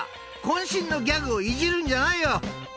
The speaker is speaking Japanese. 渾身のギャグをいじるんじゃないよ！］